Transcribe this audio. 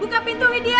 buka pintu widya